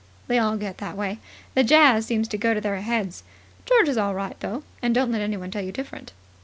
They all get that way. The jazz seems to go to their heads. George is all right, though, and don't let anyone tell you different."